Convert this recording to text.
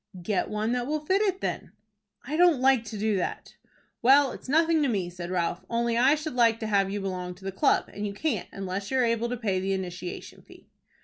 "Get one that will fit it then." "I don't like to do that." "Well, it's nothing to me," said Ralph, "only I should like to have you belong to the club, and you can't unless you are able to pay the initiation fee."